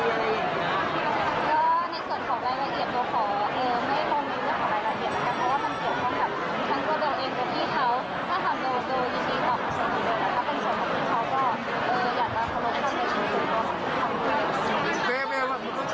เพราะว่ามันเกิดของกับทั้งก็เรียกว่าพี่เท้าถ้าทำโดยนี้ต่อไปส่วนทางเดียวนะคะ